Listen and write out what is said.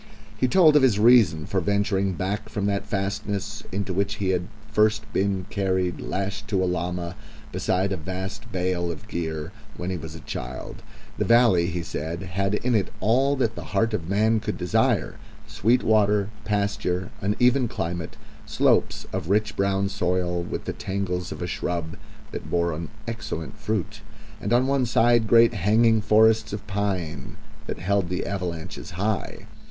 He told of his reason for venturing back from that fastness, into which he had first been carried lashed to a llama, beside a vast bale of gear, when he was a child. The valley, he said, had in it all that the heart of man could desire sweet water, pasture, and even climate, slopes of rich brown soil with tangles of a shrub that bore an excellent fruit, and on one side great hanging forests of pine that held the avalanches high.